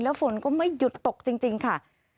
ฝนก็ไม่หยุดตกจริงค่ะ